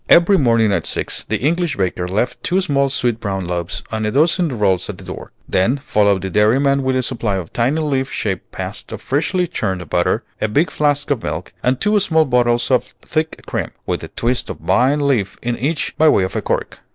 Every morning at six the English baker left two small sweet brown loaves and a dozen rolls at the door. Then followed the dairyman with a supply of tiny leaf shaped pats of freshly churned butter, a big flask of milk, and two small bottles of thick cream, with a twist of vine leaf in each by way of a cork.